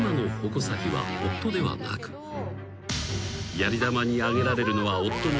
［やり玉に挙げられるのは夫の］